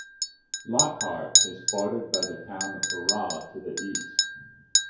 Lockhart is bordered by the town of Florala to the east.